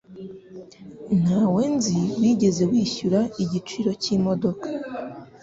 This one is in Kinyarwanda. Ntawe nzi wigeze yishyura igiciro cyimodoka.